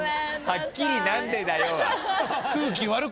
はっきり「何でだよ！」は。